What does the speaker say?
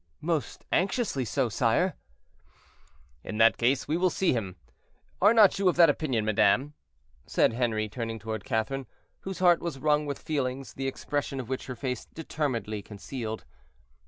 "Most anxiously so, sire." "In that case we will see him. Are not you of that opinion, madame?" said Henri, turning toward Catherine, whose heart was wrung with feelings, the expression of which her face determinedly concealed.